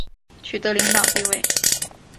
取得领导地位